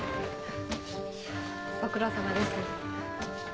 ご苦労さまです。